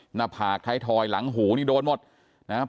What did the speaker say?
หน้าผากไทยทอยหลังหูนี่โดนหมดนะฮะ